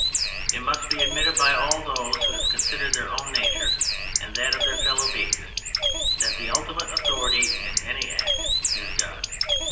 It must be admitted by all those who have considered their own nature and that of their fellow beings that the ultimate authority in any act is God.